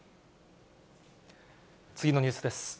次のニュースです。